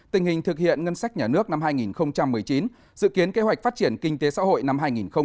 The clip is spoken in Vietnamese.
tình hình thực hiện ngân sách nhà nước năm hai nghìn một mươi chín dự kiến kế hoạch phát triển kinh tế xã hội năm hai nghìn hai mươi